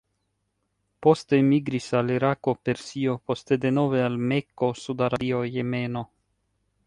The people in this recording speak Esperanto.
Poste migris al Irako, Persio, poste denove al Mekko, Sud-Arabio, Jemeno.